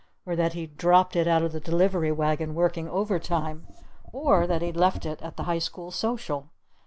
Or that he'd dropped it out of the delivery wagon working over time! Or that he'd left it at the High School Social!